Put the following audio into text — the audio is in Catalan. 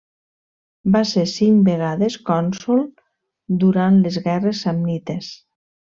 Va ser cinc vegades cònsol durant les guerres samnites.